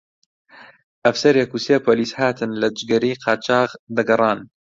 ئەفسەرێک و سێ پۆلیس هاتن لە جگەرەی قاچاغ دەگەڕان